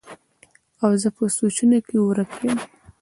او زۀ پۀ سوچونو کښې ورک يم